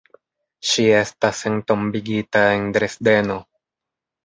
Ŝi estas entombigita en Dresdeno.